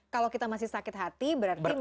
kalau kita masih sakit hati berarti